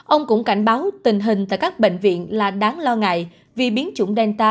ông cũng cảnh báo tình hình tại các bệnh viện là đáng lo ngại vì biến chủng delta